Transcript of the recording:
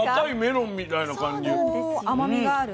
甘みがある？